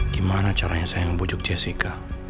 gimana caranya saya membujuk jessica